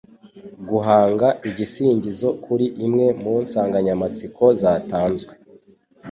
Guhanga igisingizo kuri imwe mu nsanganyamatsiko zatanzwe.